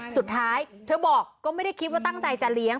สุดท้ายเธอบอกก็ไม่ได้คิดว่าตั้งใจจะเลี้ยง